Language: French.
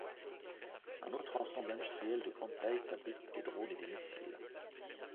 Un autre ensemble industriel de grande taille fabrique des drones et des missiles.